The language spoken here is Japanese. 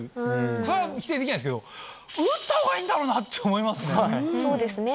これは否定できないですけど、打った方がいいんだろうなって思そうですね。